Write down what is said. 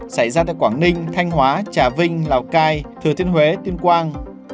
xảy ra tại quảng ninh thanh hóa trà vinh lào cai thừa thiên huế tuyên quang